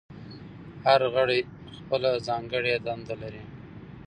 هر غړی خپله ځانګړې دنده لري.